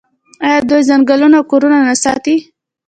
آیا دوی ځنګلونه او کورونه نه ساتي؟